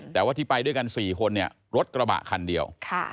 แต่ว่าที่ไปด้วยกัน๔คนเนี่ยรถกระบะคันเดียว